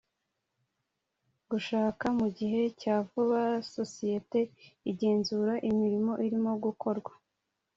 gushaka mu gihe cya vuba isosiyete igenzura imirimo irimo gukorwa